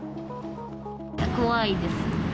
怖いです。